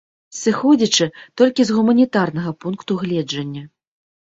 Сыходзячы толькі з гуманітарнага пункту гледжання.